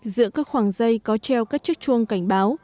giữa các khoảng dây có treo các chiếc chuông cảnh báo